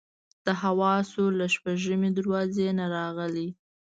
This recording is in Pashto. د حواسو له شپږمې دروازې نه راغلي.